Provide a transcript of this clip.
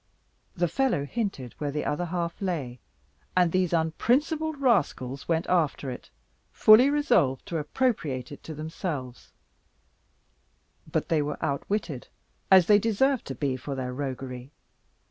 The fellow hinted where the other half lay, and these unprincipled rascals went after it, fully resolved to appropriate it to themselves; but they were outwitted, as they deserved to be for their roguery.